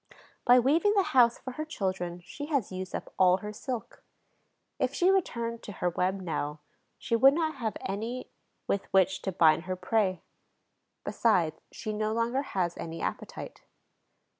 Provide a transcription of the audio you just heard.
By weaving the house for her children she has used up all her silk. If she returned to her web now, she would not have any with which to bind her prey. Besides, she no longer has any appetite.